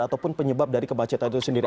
ataupun penyebab dari kemacetan itu sendiri